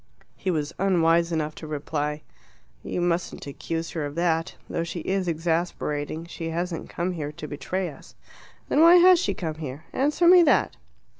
He was unwise enough to reply, "You mustn't accuse her of that. Though she is exasperating, she hasn't come here to betray us." "Then why has she come here? Answer me that."